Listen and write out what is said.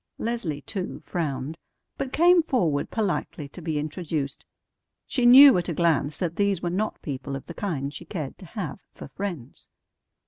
Leslie, too, frowned, but came forward politely to be introduced. She knew at a glance that these were not people of the kind she cared to have for friends.